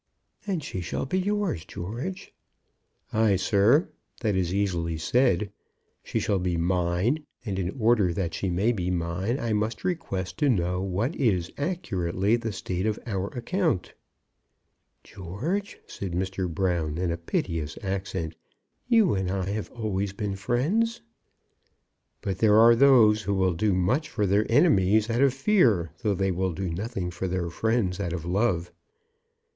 "And she shall be yours, George." "Ay, sir, that is easily said. She shall be mine, and in order that she may be mine, I must request to know what is accurately the state of our account?" "George," said Mr. Brown in a piteous accent, "you and I have always been friends." "But there are those who will do much for their enemies out of fear, though they will do nothing for their friends out of love.